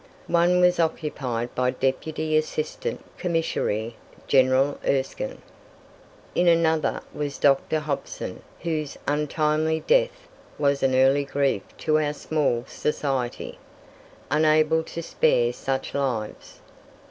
One was occupied by Deputy Assistant Commissary General Erskine. In another was Dr. Hobson, whose untimely death was an early grief to our small society, unable to spare such lives.